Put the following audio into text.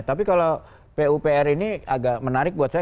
tapi kalau pupr ini agak menarik buat saya